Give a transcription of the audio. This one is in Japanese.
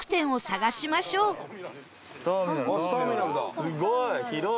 すごい。